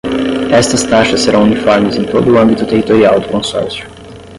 Estas taxas serão uniformes em todo o âmbito territorial do Consórcio.